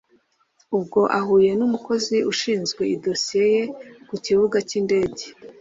Ubwo ahuye n umukozi ushinzwe idosiye ye ku kibuga ki ndege